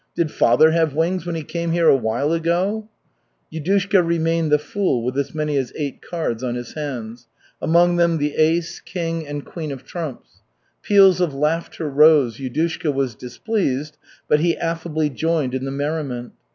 'Did father have wings when he came here a while ago?'" Yudushka remained the fool with as many as eight cards on his hands, among them the ace, king and queen of trumps. Peals of laughter rose, Yudushka was displeased, but he affably joined in the merriment.